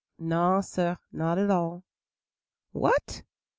"No, sah, not at all." "What!